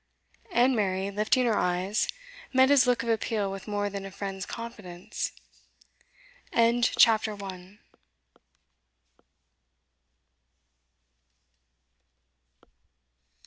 And Mary, lifting her eyes, met his look of appeal with more than a friend's confidenc